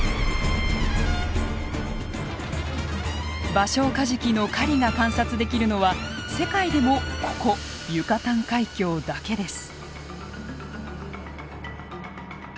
バショウカジキの狩りが観察できるのは世界でもここユカタン海峡だけです。